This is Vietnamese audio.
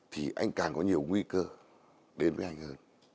thì anh càng có nhiều nguy cơ đến với anh hơn